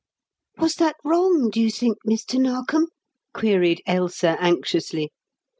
"Was that wrong, do you think, Mr. Narkom?" queried Ailsa anxiously.